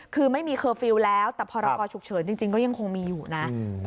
คือไม่มีเคอร์ฟิลล์แล้วแต่พรกรฉุกเฉินจริงก็ยังคงมีอยู่นะ